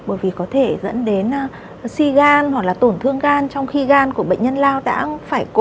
bởi vì có thể dẫn đến suy gan hoặc là tổn thương gan trong khi gan của bệnh nhân lao đã phải cố